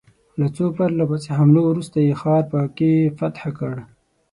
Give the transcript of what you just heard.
له څو پرله پسې حملو وروسته یې ښار په کې فتح کړ.